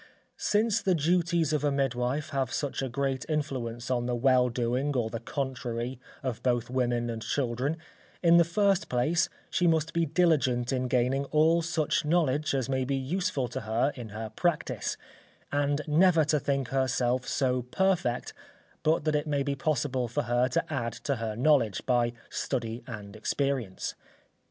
_ Since the duties of a midwife have such a great influence on the well doing or the contrary of both women and children, in the first place, she must be diligent in gaining all such knowledge as may be useful to her in her practice, and never to think herself so perfect, but that it may be possible for her to add to her knowledge by study and experience.